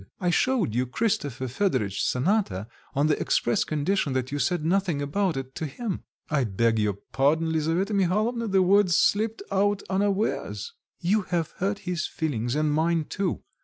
"I showed you Christopher Fedoritch's cantata on the express condition that you said nothing about it to him?" "I beg your pardon, Lisaveta Mihalovna, the words slipped out unawares." "You have hurt his feelings and mine too.